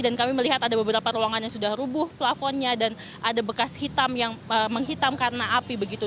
dan kami melihat ada beberapa ruangan yang sudah rubuh plafonnya dan ada bekas hitam yang menghitam karena api begitu